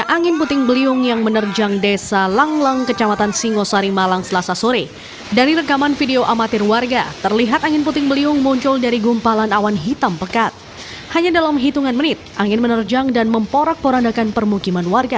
angin puting beliung menerjang pemukiman warga di desa langlang singosari